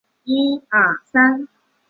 中华桫椤为桫椤科桫椤属下的一个种。